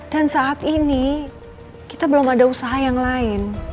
dan saat ini kita belum ada usaha yang lain